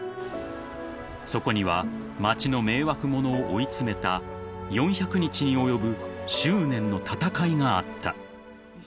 ［そこには町の迷惑者を追い詰めた４００日に及ぶ執念の闘いがあった］